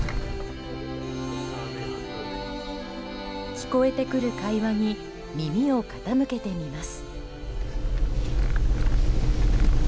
聞こえてくる会話に耳を傾けてみます。